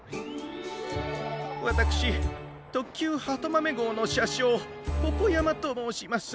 わたくしとっきゅうはとまめごうのしゃしょうポポやまともうします。